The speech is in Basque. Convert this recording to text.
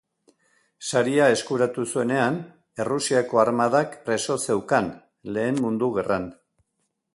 Saria eskuratu zuenean, Errusiako armadak preso zeukan, Lehen Mundu Gerran.